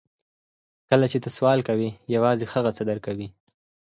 کله چې ته سوال کوې یوازې هغه څه درکوي